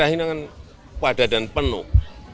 saya kira ini akan padat dan penuh